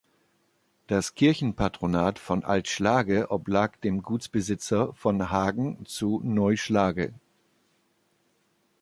Das Kirchenpatronat von Alt Schlage oblag dem Gutsbesitzer von Hagen zu Neu Schlage.